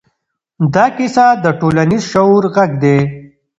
دا کیسه د ټولنیز شعور غږ دی.